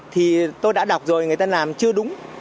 thì tôi đã đọc rồi người ta làm chưa đúng